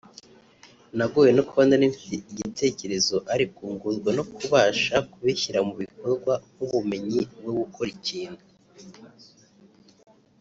nagowe no kuba nari mfite igitekerezo ariko ngorwa no kubasha kubishyira mu bikorwa nk’ubumenyi bwo gukora ikintu